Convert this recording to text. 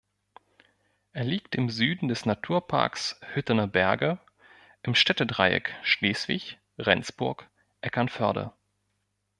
Er liegt im Süden des Naturparks Hüttener Berge im Städtedreieck Schleswig, Rendsburg, Eckernförde.